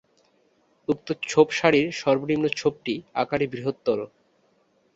উক্ত ছোপ-সারির সর্বনিম্ন ছোপটি আকারে বৃহত্তর।